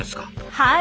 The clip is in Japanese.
はい。